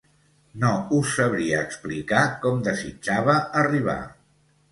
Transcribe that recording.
No us sabria explicar com desitjava arribar